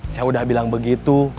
saya udah bilang begitu